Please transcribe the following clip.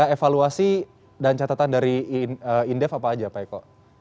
evaluasi dan catatan dari indef apa aja pak eko